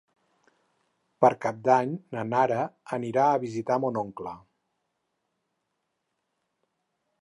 Per Cap d'Any na Nara anirà a visitar mon oncle.